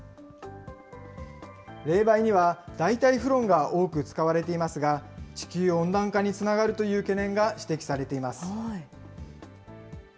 冷媒には代替フロンが多く使われていますが、地球温暖化につながるという懸念が指摘されています。